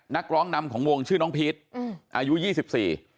นักร้องนำของวงชื่อน้องพีชอืมอายุยี่สิบสี่